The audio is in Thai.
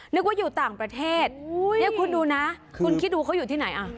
นึกว่าอยู่ต่างประเทศนี่คุณดูนะคุณคิดดูเขาอยู่ที่ไหนอ่ะ